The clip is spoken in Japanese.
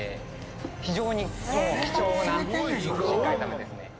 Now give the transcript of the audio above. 非常に貴重な深海ザメですね。